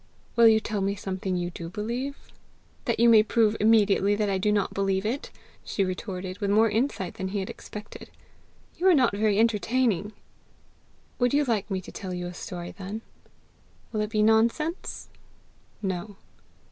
"Will you tell me something you do believe?" "That you may prove immediately that I do not believe it!" she retorted, with more insight than he had expected. " You are not very entertaining!" "Would you like me to tell you a story then?" "Will it be nonsense?" "No."